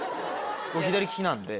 僕左利きなんで。